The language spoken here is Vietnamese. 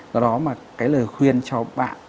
do đó mà cái lời khuyên cho bạn